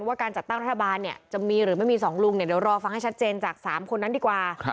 ว่าการจัดตั้งรัฐบาลเนี่ยจะมีหรือไม่มี๒ลุงเนี่ยเดี๋ยวรอฟังให้ชัดเจนจาก๓คนนั้นดีกว่า